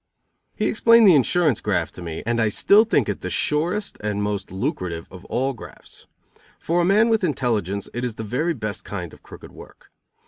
He explained the insurance graft to me, and I still think it the surest and most lucrative of all grafts. For a man with intelligence it is the very best kind of crooked work.